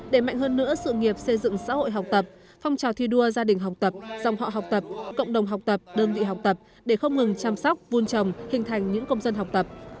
để mạnh hơn nữa sự nghiệp xây dựng xã hội học tập phong trào thi đua gia đình học tập dòng họ học tập cộng đồng học tập đơn vị học tập để không ngừng chăm sóc vun trồng hình thành những công dân học tập